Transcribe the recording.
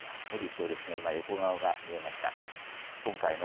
モディ首相ですね、今、横顔が見えました。